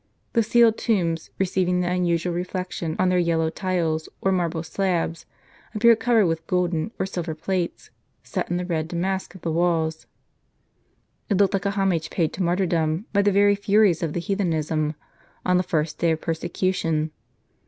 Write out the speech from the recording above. The sealed tombs, receiving the unusual reflec tion on their yellow tiles, or marble slabs, appeared covered with golden oi silver plates, set in the red damask of the walls. It looked like a homage 23aid to martyrdom, by the very furies of heathenism, on the first day of persecution.